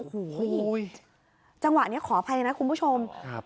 โอ้โหจังหวะนี้ขออภัยนะคุณผู้ชมครับ